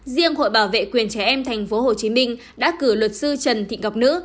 riêng hội bảo vệ quyền trẻ em tp hcm đã cử luật sư trần thị ngọc nữ